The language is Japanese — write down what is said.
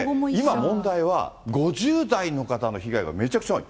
今、問題は５０代の方の被害がめちゃくちゃ多い。